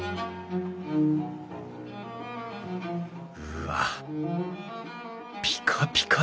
うわっピカピカだ。